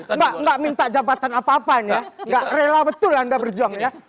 enggak minta jabatan apa apa ini ya enggak rela betul anda berjuang ya